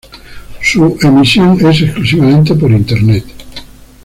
Su emisión es exclusivamente por Internet.